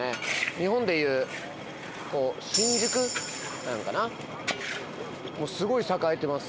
日本でいう新宿なんかなすごい栄えてます